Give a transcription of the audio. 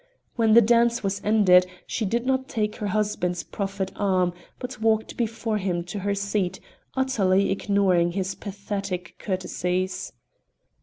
When the dance was ended she did not take her husband's proffered arm, but walked before him to her seat, utterly ignoring his pathetic courtesies.